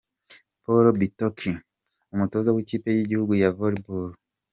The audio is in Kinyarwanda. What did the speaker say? Paul Bitok umutoza w'ikipe y'igihugu ya Volleyball.